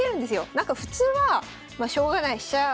なんか普通はまあしょうがない飛車